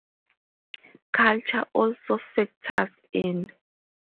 Culture also factors in.